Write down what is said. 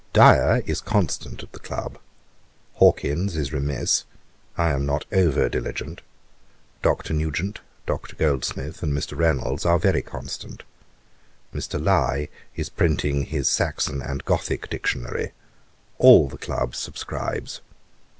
'Dyer is constant at THE CLUB; Hawkins is remiss; I am not over diligent. Dr. Nugent, Dr. Goldsmith, and Mr. Reynolds, are very constant. Mr. Lye is printing his Saxon and Gothick Dictionary; all THE CLUB subscribes.